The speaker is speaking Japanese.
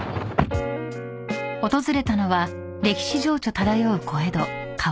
［訪れたのは歴史情緒漂う小江戸川越］